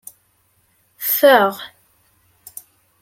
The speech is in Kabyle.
Faɣ.